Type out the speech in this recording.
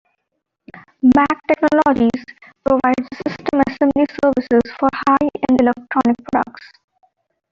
Mack Technologies-Provides system assembly services for high-end electronic products.